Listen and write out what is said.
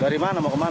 dari mana mau kemana